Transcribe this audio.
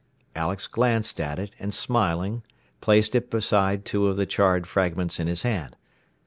Alex glanced at it, and smiling, placed it beside two of the charred fragments in his hand.